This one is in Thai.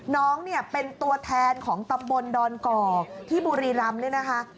น้องเป็นตัวแทนของตำบลดอนกรที่บุรีรำนี่นะคะ